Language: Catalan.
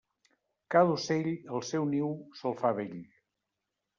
Cada ocell, el seu niu se'l fa bell.